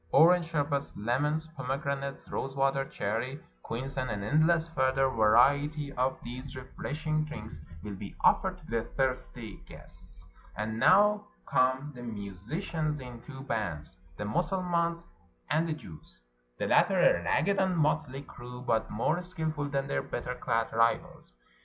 Orange sherbet, lemon, pomegranate, rosewater, cherry, quince, and an endless further variety of these refreshing 416 A PERSIAN WEDDING drinks will be offered to the thirsty guests. And now come the musicians in two bands, the Mussulmans', and the Jews'; the latter a ragged and motley crew, but more skillful than their better clad rivals.